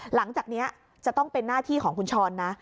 หลังจากนี้จะต้องเป็นหน้าที่ของคุณชรนะ